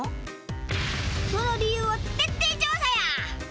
その理由を徹底調査や！